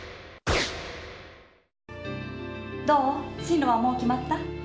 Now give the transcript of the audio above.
どう、進路はもう決まった。